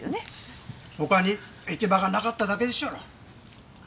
他に行き場がなかっただけでっしゃろ。